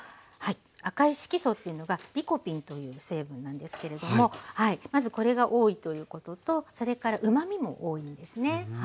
赤い色素というのがリコピンという成分なんですけれどもまずこれが多いということとそれからうまみも多いんですね。